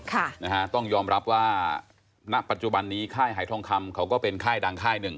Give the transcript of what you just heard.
ค่ะนะฮะต้องยอมรับว่าณปัจจุบันนี้ค่ายหายทองคำเขาก็เป็นค่ายดังค่ายหนึ่ง